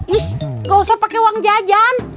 ih gak usah pakai uang jajan